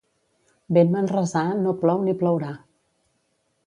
Vent manresà, no plou ni plourà.